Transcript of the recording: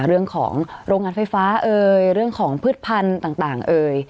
เรื่องของโรงงานไฟฟ้าเอ่ยเรื่องของพืชพันธุ์ต่างเอ่ย